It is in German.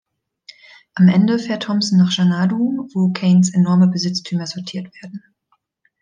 Am Ende fährt Thompson nach Xanadu, wo Kanes enorme Besitztümer sortiert werden.